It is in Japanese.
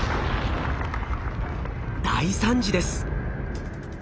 大惨事です。